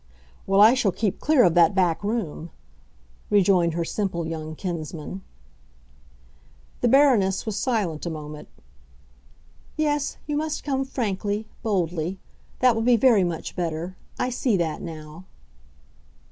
"Well, I shall keep clear of that back room!" rejoined her simple young kinsman. The Baroness was silent a moment. "Yes, you must come frankly—boldly. That will be very much better. I see that now."